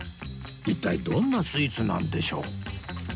一体どんなスイーツなんでしょう？